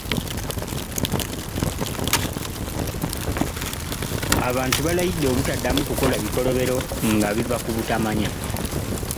Abantu balayidde obutaddamu kukola bikolobero nga biva ku butamanya.